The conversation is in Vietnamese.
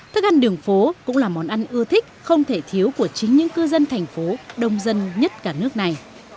thức ăn đường phố cũng là món ăn ưa thích không thể thiếu của chính những cư dân thành phố đông dân nhất cả nước này